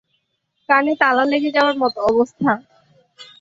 কানে তালা লেগে যাবার মতো অবস্থা!